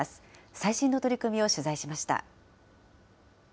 最新の取り組みを取材しました。